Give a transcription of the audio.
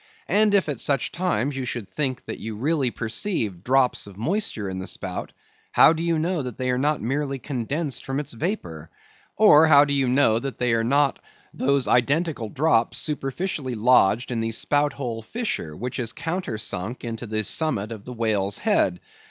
And if at such times you should think that you really perceived drops of moisture in the spout, how do you know that they are not merely condensed from its vapor; or how do you know that they are not those identical drops superficially lodged in the spout hole fissure, which is countersunk into the summit of the whale's head?